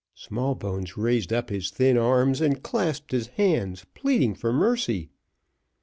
Smallbones raised up his thin arms, and clasped his hands, pleading for mercy.